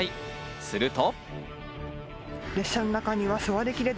すると。